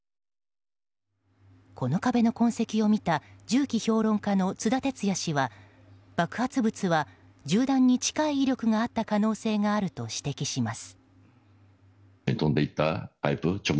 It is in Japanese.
この壁の痕跡を見た銃器評論家の津田哲也氏は、爆発物は銃弾に近い威力があった可能性があると指摘します。